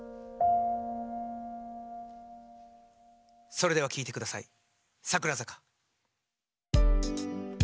それでは聴いてください「桜坂」。